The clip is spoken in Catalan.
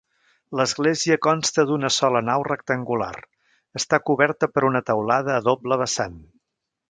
L'església consta d'una sola nau rectangular, està coberta per una teulada a doble vessant.